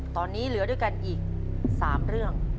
ตอนนี้เหลือด้วยกันอีก๓เรื่อง